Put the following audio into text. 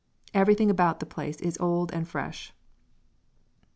Everything about the place is old and fresh.